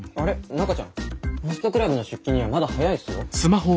中ちゃんホストクラブの出勤にはまだ早いっすよ？